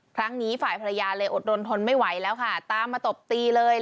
ครั้งนี้ฝ่ายภรรยาเลยอดรนทนไม่ไหวแล้วค่ะตามมาตบตีเลย